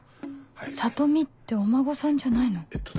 「里美」ってお孫さんじゃないの？